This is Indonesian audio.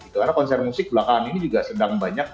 karena konser musik belakangan ini juga sedang banyak